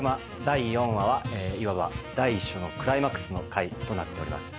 第４話はいわば第１章のクライマックスの回となっております。